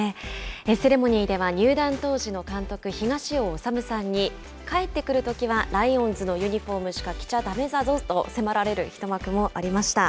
セレモニーでは入団当時の監督、東尾修さんに帰ってくるときはライオンズのユニホームしか着ちゃだめだぞと迫られる一幕もありました。